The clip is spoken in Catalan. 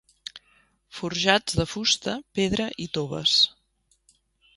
Forjats de fusta, pedra i toves.